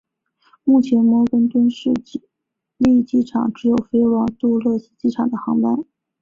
目前摩根敦市立机场只有飞往杜勒斯机场的航班。